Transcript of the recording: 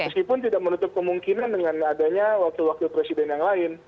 meskipun tidak menutup kemungkinan dengan adanya wakil wakil presiden yang lain